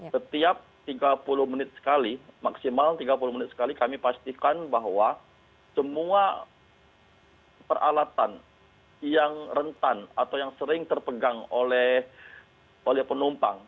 setiap tiga puluh menit sekali maksimal tiga puluh menit sekali kami pastikan bahwa semua peralatan yang rentan atau yang sering terpegang oleh penumpang